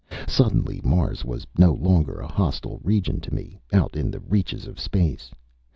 Suddenly Mars was no longer a hostile region to me, out in the reaches of space.